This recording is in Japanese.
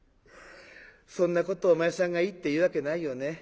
そんなことお前さんがいいって言うわけないよね。